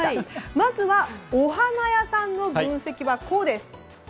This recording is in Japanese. まずは、お花屋さんの分析はこうです。